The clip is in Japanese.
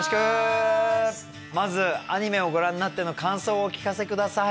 まずアニメをご覧になっての感想をお聞かせ下さい。